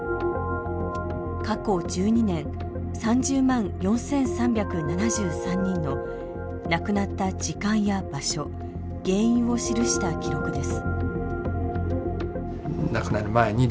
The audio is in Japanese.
過去１２年３０万４，３７３人の亡くなった時間や場所原因を記した記録です。